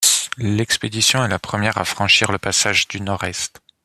L'expédition est la première à franchir le passage du Nord-Est.